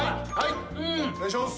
お願いします。